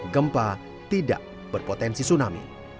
gempa tidak berpotensi tsunami